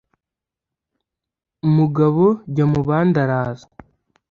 umugabo jyamubandi arazá